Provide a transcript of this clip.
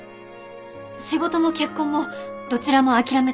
仕事も結婚もどちらも諦めたくない。